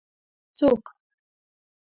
څوک